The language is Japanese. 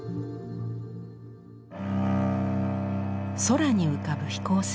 空に浮かぶ飛行船。